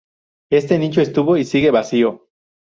Ese nicho estuvo y sigue vacío.